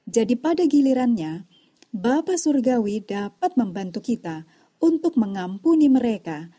jadi pada gilirannya bapak surgawi dapat membantu kita untuk mengampuni mereka